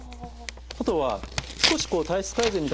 あとは少し体質改善みたいなものですと